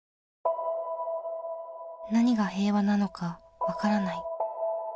何が平和なのかわからない。